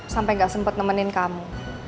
sampe gak sempet nemenin kamu